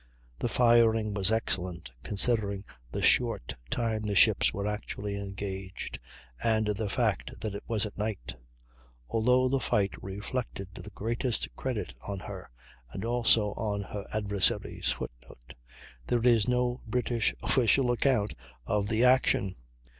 The firing was excellent, considering the short time the ships were actually engaged, and the fact that it was at night. Altogether the fight reflected the greatest credit on her, and also on her adversaries. [Footnote: There is no British official account of the action.